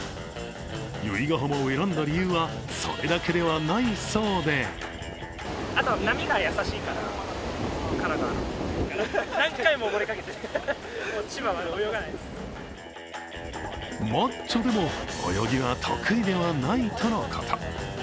由比ガ浜を選んだ理由はそれだけではないそうでマッチョでも泳ぎは得意ではないとのこと。